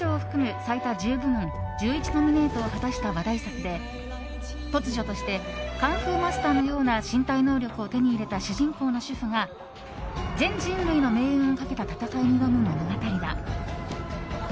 最多１０部門１１ノミネートを果たした話題作で突如としてカンフーマスターのような身体能力を手に入れた主人公の主婦が全人類の命運をかけた戦いに挑む物語だ。